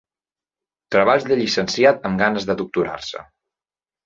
Treballs de llicenciat amb ganes de doctorar-se.